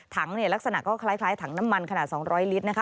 ลักษณะก็คล้ายถังน้ำมันขนาด๒๐๐ลิตรนะคะ